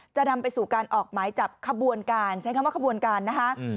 จะนำไปสู่การออกหมายจับขบวนการใช้คำว่าขบวนการนะคะ